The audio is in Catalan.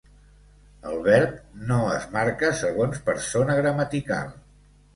El verb no es marca segons persona gramatical.